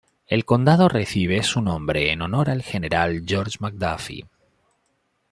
El condado recibe su nombre en honor al general George McDuffie.